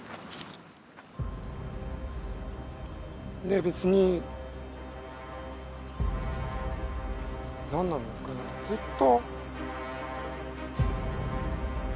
で別に何なんですかねずっと。